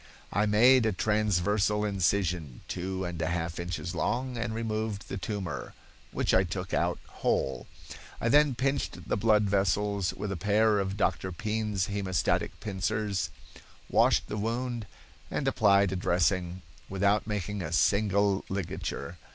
"I made a transversal incision two and a half inches long and removed the tumor, which I took out whole. I then pinched the blood vessels with a pair of Dr. Pean's hemostatic pincers, washed the wound and applied a dressing, without making a single ligature.